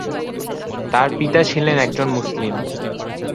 তার পিতা ছিলেন একজন মুসলিম।